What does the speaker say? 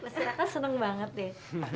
maksudnya kakak seneng banget deh